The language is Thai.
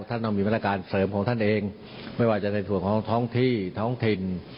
ท่านต้องมีมาตรการเสริมของท่านเองไม่ว่าจะในส่วนของท้องที่ท้องถิ่น